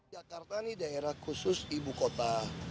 jakarta ini daerah khusus ibu kota